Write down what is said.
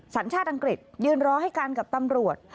สัญชาติอังกฤษยืนรอให้กันกับตำรวจ